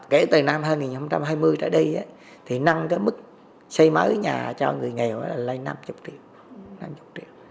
kể từ năm hai nghìn hai mươi trở đi nâng mức xây mới nhà cho người nghèo là năm mươi triệu